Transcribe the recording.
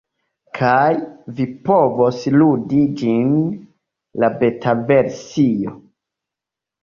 kaj vi povos ludi ĝin, la betaversio